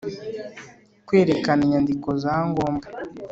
Kwerekana inyandiko za ngombwa